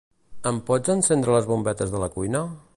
Ens pots encendre les bombetes de la cuina?